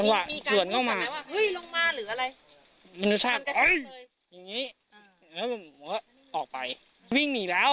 มันไม่ใช่มันไม่บ้า